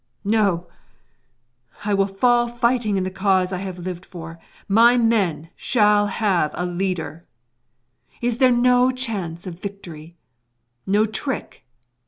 _] No; I will fall fighting in the cause I have lived for my men shall have a leader! Is there no chance of victory? no trick?